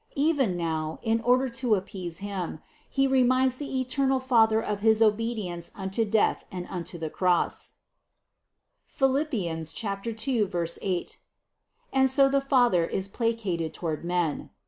Even now, in order to appease Him, He reminds the eternal Father of his obedience unto death and unto the cross (Phil. 2, 8), and so the Father is placated toward men.